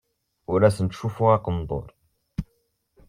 Ur asen-ttcuffuɣ aqendur.